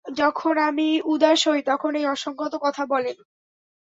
যখন আমি উদাস হই, তখন এই অসংগত কথা বলেন।